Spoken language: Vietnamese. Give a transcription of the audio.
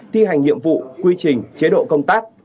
thi hành nhiệm vụ quy trình chế độ công tác